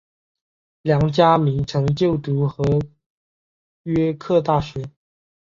梁嘉铭曾就读和约克大学。